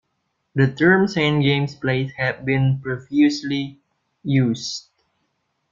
The term "Saint James's Palace" had been previously used.